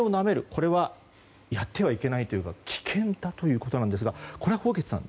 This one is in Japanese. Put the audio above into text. これはやってはいけないというか危険だということですがこれは纐纈さん